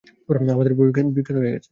আমাদের বাই বিখ্যাত হয়ে গেছে!